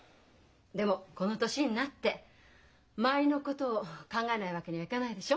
でもこの年になって周りのことを考えないわけにはいかないでしょ。